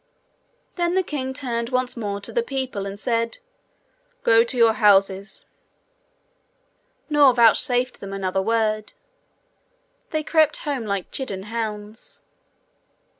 Then the king turned once more to the people and said, 'Go to your houses'; nor vouchsafed them another word. They crept home like chidden hounds.